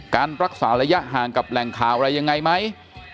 การรักษาระยะห่างกับแหล่งข่าวอะไรยังไงไหม